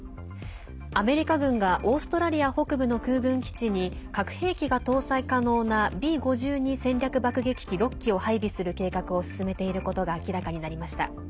アメリカ軍がオーストラリア北部の空軍基地に核兵器が搭載可能なＢ５２戦略爆撃機６機を配備する計画を進めていることが明らかになりました。